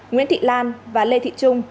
nguyễn thị lan và lê thị trung